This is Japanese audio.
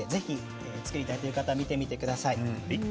作りたいという方は見てみてください。